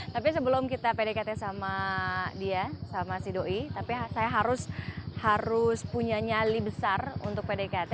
tapi sebelum kita pdkt sama dia sama si doi tapi saya harus punya nyali besar untuk pdkt